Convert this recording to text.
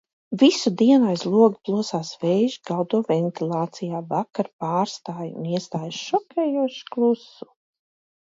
Visu dienu aiz loga plosās vējš, gaudo ventilācijā. Vakarā pārstāj un iestājas šokējošs klusums.